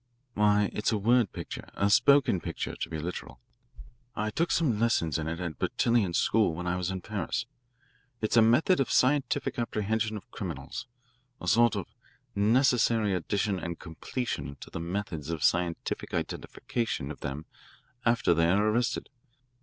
"Why, it's a word picture a 'spoken picture,' to be literal. I took some lessons in it at Bertillon's school when I was in Paris. It's a method of scientific apprehension of criminals, a sort of necessary addition and completion to the methods of scientific identification of them after they are arrested.